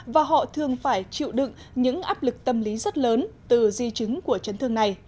và họ thường phải chịu đựng những áp lực tâm lý rất lớn từ di chứng của chấn thương này